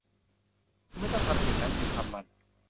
คุณไม่ต้องทำสิ่งนั้น หยุดทำมัน